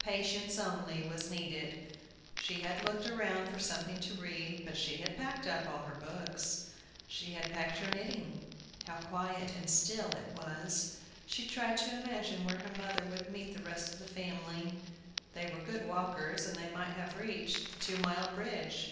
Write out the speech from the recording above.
Patience only was needed. She had looked around for something to read; but she had packed up all her books. She had packed her knitting. How quiet and still it was! She tried to imagine where her mother would meet the rest of the family. They were good walkers, and they might have reached the two mile bridge.